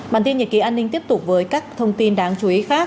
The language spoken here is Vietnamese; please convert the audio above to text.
bản tin nhật ký an ninh tiếp tục với các thông tin đáng chú ý khác